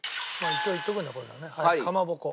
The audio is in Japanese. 一応言っておくねこれもね。かまぼこ。